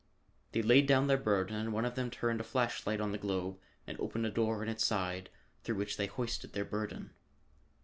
They laid down their burden and one of them turned a flash light on the globe and opened a door in its side through which they hoisted their burden.